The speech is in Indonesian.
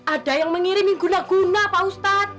ada yang mengirimi guna guna pak ustadz